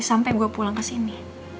sampai gue pulang ke sini